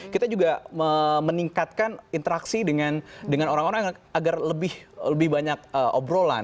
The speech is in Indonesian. kita juga meningkatkan interaksi dengan orang orang agar lebih banyak obrolan